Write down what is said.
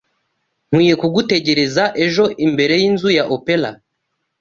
Nkwiye kugutegereza ejo imbere yinzu ya opera?